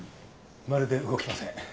まるで動きません。